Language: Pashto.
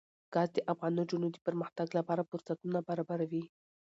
ګاز د افغان نجونو د پرمختګ لپاره فرصتونه برابروي.